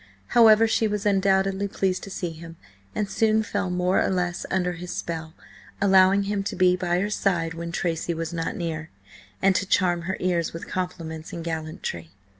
However, she was undoubtedly pleased to see him, and soon fell more or less under his spell, allowing him to be by her side when Tracy was not near, and to charm her ears with compliments and gallantry.